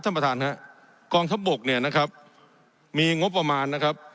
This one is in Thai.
ท่านประธานฮะกองทัพบกเนี่ยนะครับมีงบประมาณนะครับ